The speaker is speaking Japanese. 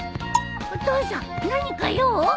お父さん何か用？